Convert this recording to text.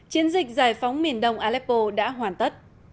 chiến dịch giải phóng miền đông aleppo đã hoàn tất